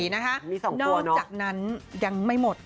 นอกจากนั้นยังไม่หมด